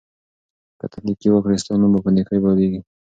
که ته نېکي وکړې، ستا نوم به په نېکۍ یادیږي.